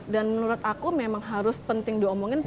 dan menurut aku memang harus penting diomongin